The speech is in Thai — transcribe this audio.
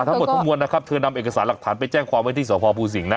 ทั้งหมดทั้งมวลนะครับเธอนำเอกสารหลักฐานไปแจ้งความไว้ที่สพภูสิงหนะ